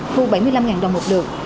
thu bảy mươi năm đồng một lượt